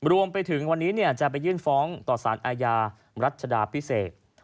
รวมไปถึงวันนี้จะไปยื่นฟ้องต่อสารอาญารัชดาพิเศษ